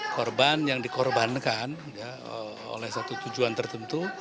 korban yang dikorbankan oleh satu tujuan tertentu